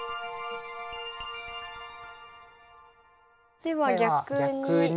では逆に。